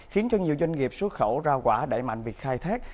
khiến cho nhiều doanh nghiệp xuất khẩu ra quả đẩy mạnh việc khai thác